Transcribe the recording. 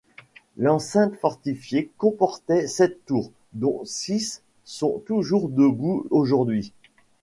L'enceinte fortifiée comportait sept tours, dont six sont toujours debout aujourd'hui.